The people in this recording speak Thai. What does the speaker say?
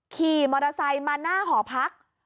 ขี่มอเตอร์ไซค์มาหน้าหอพัก